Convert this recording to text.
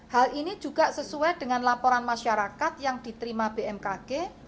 hal ini juga sesuai dengan laporan masyarakat yang diterima bmkg